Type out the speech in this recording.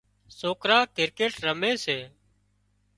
سوڪرا ڪرڪيٽ رمي سي